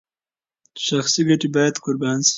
شخصي ګټې باید قربان شي.